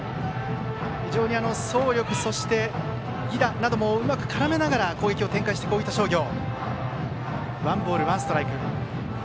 非常に走力、犠打などもうまく絡めながら攻撃を展開する大分商業。